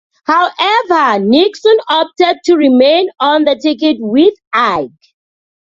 However, Nixon opted to remain on the ticket with Ike.